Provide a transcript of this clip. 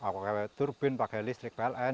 pakai turbin pakai listrik pln